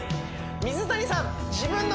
水谷さん